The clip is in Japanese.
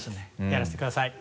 やらせてください。